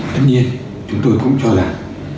tất nhiên chúng tôi cũng cho rằng